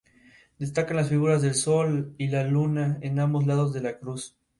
Destacan las figuras del sol y la luna a ambos lados de la cruz.